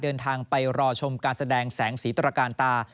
เดินทางไปรอชมการแสดงแสงสีตระการตา